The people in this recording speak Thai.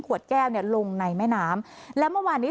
แก้วเนี่ยลงในแม่น้ำแล้วเมื่อวานนี้